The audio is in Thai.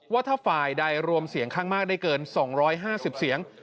ว่าถ้าฝ่ายใดรวมเสียงข้างมากได้เกิน๒๕๐เสียง